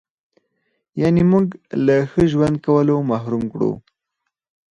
یعنې موږ هغه له ښه ژوند کولو محروم کړو.